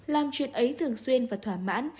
làm chuyện ấy thường xuyên và thỏa mãn